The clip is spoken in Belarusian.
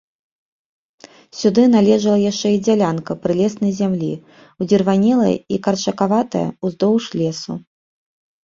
Сюды належала яшчэ і дзялянка прылеснай зямлі, удзірванелая і карчакаватая, уздоўж лесу.